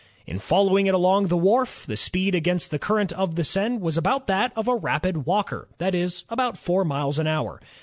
In following it along the wharf, the speed against the current of the Seine was about that of a rapid walker, that is, about four miles an hour.